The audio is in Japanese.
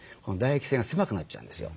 唾液腺が狭くなっちゃうんですよ。